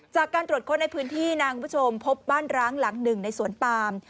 จากการตรวจค้นในพื้นที่นะคุณผู้ชมพบบ้านร้างหลังหนึ่งในสวนปาม